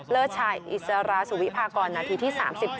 ชายอิสราสุวิพากรนาทีที่๓๗